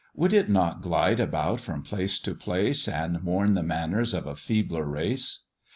Would it not glide about from place to place, And mourn the manners of a feebler race?